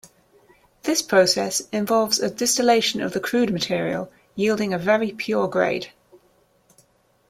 This process involves a distillation of the crude material yielding a very pure grade.